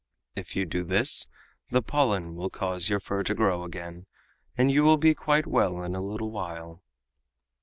If you do this the pollen will cause your fur to grow again, and you will be quite well in a little while."